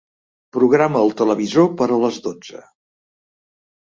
Programa el televisor per a les dotze.